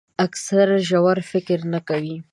اکثره ژور فکر نه کوي.